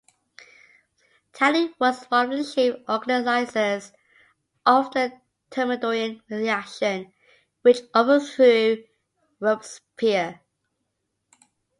Tallien was one of the chief organisers of the Thermidorian Reaction which overthrew Robespierre.